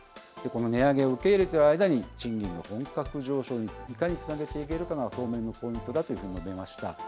この値上げを受け入れている間に、賃金の本格上昇にいかにつなげていけるかが当面のポイントだというふうに述べました。